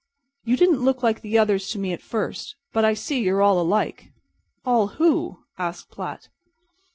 You didn't look like the others to me at first, but I see you're all alike." "All who?" asked Platt.